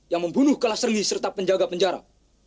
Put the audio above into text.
yang membunuh kelas serli serta penjaga penjara